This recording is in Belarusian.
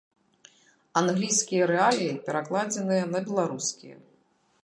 Англійскія рэаліі перакладзеныя на беларускія.